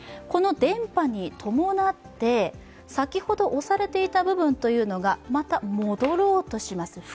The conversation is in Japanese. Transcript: この伝播に伴って、先ほど押されていた部分がまた戻ろうとします。